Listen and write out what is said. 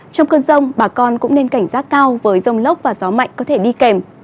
trong cơn rông bà con cũng nên cảnh giác cao với rông lốc và gió mạnh có thể đi kèm